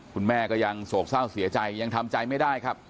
คุณแม่ก็ยังโศกเศร้าเสียใจยังทำใจไม่ได้ครับ